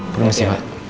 terima kasih pak